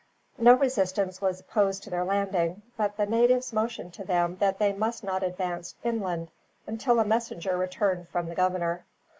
No resistance was opposed to their landing; but the natives motioned to them that they must not advance inland, until a messenger returned from the governor.